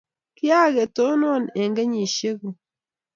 kiaketunon eng kenyishe guk.